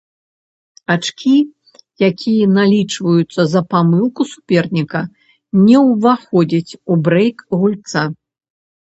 Ачкі, якія налічваюцца за памылку суперніка, не ўваходзяць у брэйк гульца.